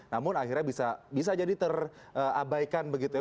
namun akhirnya bisa jadi terabaikan begitu ya